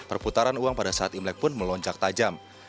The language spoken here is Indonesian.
perputaran uang pada saat imlek pun melonjak tajam